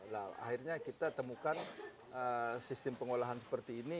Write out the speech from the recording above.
nah akhirnya kita temukan sistem pengolahan seperti ini